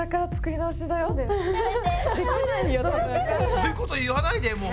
そういうこと言わないでもう。